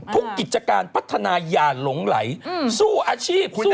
ทุกกิจการพัฒนายาหลงไหลสู่อาชีพสู่งาน